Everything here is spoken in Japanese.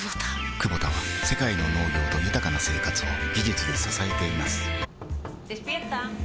クボタは世界の農業と豊かな生活を技術で支えています起きて。